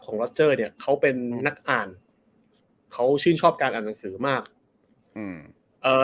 ล็อเจอร์เนี้ยเขาเป็นนักอ่านเขาชื่นชอบการอ่านหนังสือมากอืมเอ่อ